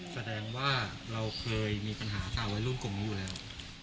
แสดงว่าเราเคยมีปัญหาสาวไว้ร่วมกลุ่มอยู่แล้ว